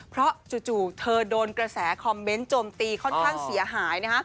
เพราะจู่เธอโดนกระแสคอมเมนต์โจมตีค่อนข้างเสียหาย